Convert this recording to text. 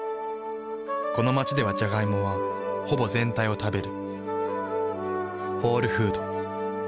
この街ではジャガイモはほぼ全体を食べる。